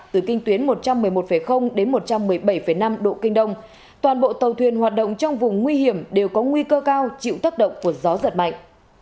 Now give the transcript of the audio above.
từ kinh tuyến một trăm một mươi một đến một trăm một mươi bảy năm độ kinh đông toàn bộ tàu thuyền hoạt động trong vùng nguy hiểm đều có nguy cơ cao chịu tác động của gió giật mạnh